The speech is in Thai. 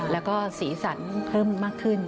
แล้วก็สีสันเพิ่มมากขึ้น